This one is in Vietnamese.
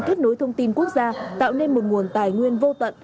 kết nối thông tin quốc gia tạo nên một nguồn tài nguyên vô tận